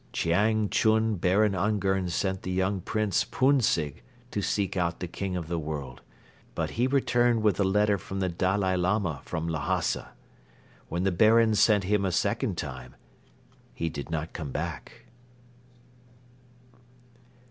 "Chiang Chun Baron Ungern sent the young Prince Pounzig to seek out the King of the World but he returned with a letter from the Dalai Lama from Lhasa. When the Baron sent him a second time, he did not come back."